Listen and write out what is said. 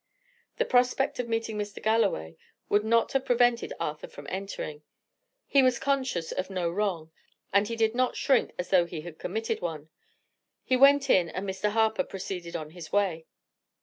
The prospect of meeting Mr. Galloway would not have prevented Arthur from entering. He was conscious of no wrong, and he did not shrink as though he had committed one. He went in, and Mr. Harper proceeded on his way.